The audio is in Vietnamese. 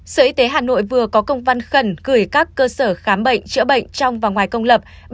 sở y tế hà nội vừa có công văn khẩn gửi các cơ sở khám bệnh chữa bệnh trong và ngoài công lập